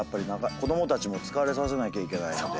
子供たちも疲れさせなきゃいけないので。